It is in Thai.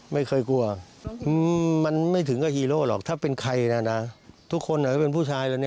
ไม่เคยกลัวมันไม่ถึงกับฮีโร่หรอกถ้าเป็นใครนะนะทุกคนเป็นผู้ชายแล้วเนี่ย